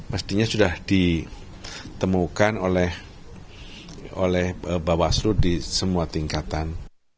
mestinya sudah ditemukan oleh bawaslu di semua tingkatan